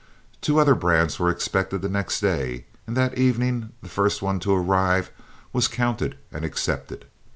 Two other brands were expected the next day, and that evening the first one to arrive was counted and accepted.